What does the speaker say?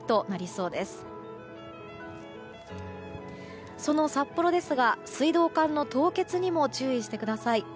その札幌ですが水道管の凍結にも注意してください。